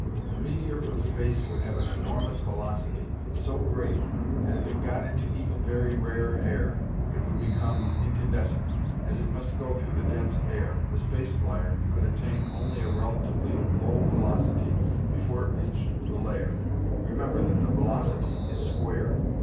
The meteor from space would have an enormous velocity, so great that if it got into even very rare air, it would become incandescent. As it must go through dense air, the space flyer could attain only a relatively low velocity before it reached the layer. Remember that the velocity is squared.